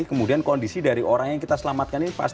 kemudian kondisi dari orang yang kita selamatkan ini pasti